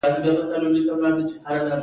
د اورورا شمالي او جنوبي رڼا ده.